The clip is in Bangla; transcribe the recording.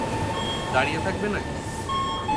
দাঁড়িয়ে থাকবে নাকি?